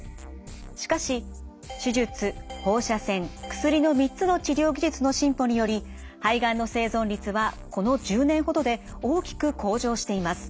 しかし手術放射線薬の３つの治療技術の進歩により肺がんの生存率はこの１０年ほどで大きく向上しています。